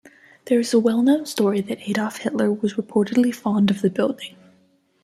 There is a well-known story that Adolf Hitler was reportedly fond of the building.